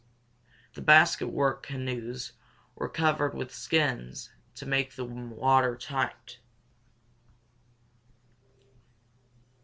The basket work canoes were covered with skins to make them water tight.